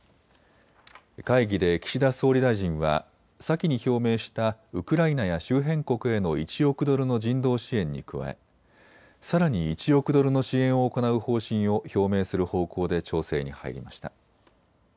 会議で岸田総理大臣は先に表明したウクライナや周辺国への１億ドルの人道支援に加えさらに１億ドルの支援を行う方針を表明する方向で調整に入りました。